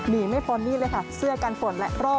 ไม่พ้นนี่เลยค่ะเสื้อกันฝนและโรค